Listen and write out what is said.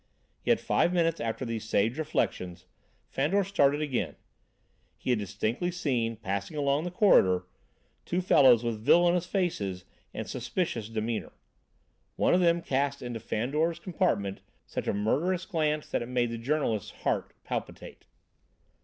Yet, five minutes after these sage reflections, Fandor started again; he had distinctly seen, passing along the corridor, two fellows with villainous faces and suspicious demeanour. One of them cast into Fandor's compartment such a murderous glance that it made the journalist's heart palpitate.